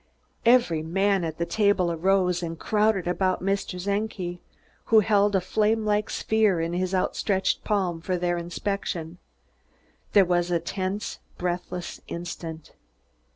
Every man at the table arose and crowded about Mr. Czenki, who held a flamelike sphere in his outstretched palm for their inspection. There was a tense, breathless instant.